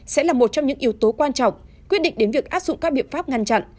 sẽ là một trong những yếu tố quan trọng quyết định đến việc áp dụng các biện pháp ngăn chặn